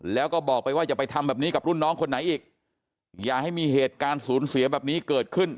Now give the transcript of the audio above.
แล้วก็บอกไปว่าอย่าไปทำแบบนี้กับรุ่นน้องคนไหนอีกอย่าให้มีเหตุการณ์ศูนย์เสียแบบนี้เกิดขึ้น